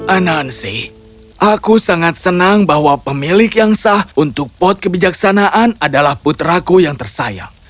anansi aku sangat senang bahwa pemilik yang sah untuk pot kebijaksanaan adalah putraku yang tersayang